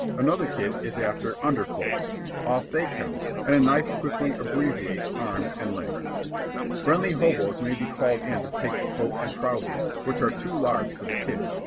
Another kid is after underclothes. Off they come, and a knife quickly abbreviates arms and legs. Friendly hoboes may be called in to take the coat and trousers, which are too large for the kids.